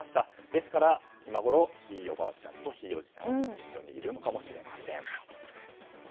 ですから今ごろひいおばあちゃんとひいおじいちゃんは一緒にいるのかもしれません。